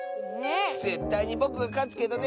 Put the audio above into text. ぜったいにぼくがかつけどね。